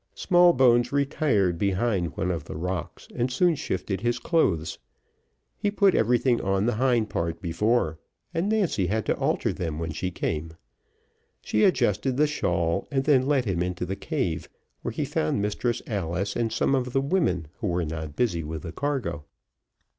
Smallbones retired behind one of the rocks, and soon shifted his clothes, he put everything on the hind part before, and Nancy had to alter them when she came. She adjusted the shawl, and then led him into the cave where he found Mistress Alice, and some of the women who were not busy with the cargo.